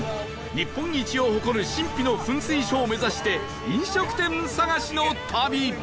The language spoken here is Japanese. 日本一を誇る神秘の噴水ショーを目指して飲食店探しの旅